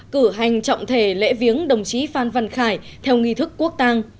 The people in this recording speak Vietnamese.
cử hành trọng thể lễ viếng đồng chí phan văn khải theo nghi thức quốc tàng